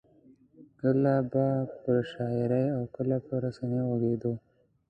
کله به پر شاعرۍ او کله پر رسنیو غږېدو.